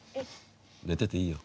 寝てていいよ。